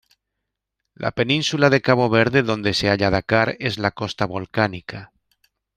La península de Cabo Verde, donde se halla Dakar, es la costa volcánica.